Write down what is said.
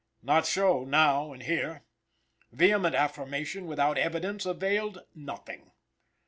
Not so now and here. Vehement affirmation without evidence availed nothing.